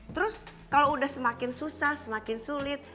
terus kalau udah semakin susah semakin sulit